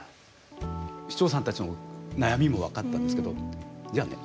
市長さんたちの悩みも分かったんですけどじゃあね